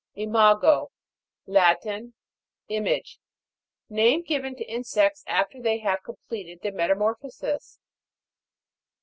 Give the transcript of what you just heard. IMA'GO. Latin. Image. Name given to insects after they have completed their metamorphosis.